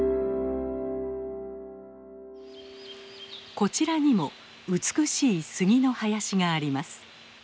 こちらにも美しい杉の林があります。